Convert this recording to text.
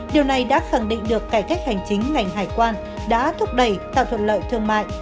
điều này đã khẳng định được cải cách hành chính ngành hải quan đã thúc đẩy tạo thuận lợi thương mại